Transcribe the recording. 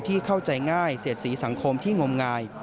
เข้าใจง่ายเสียดสีสังคมที่งมงาย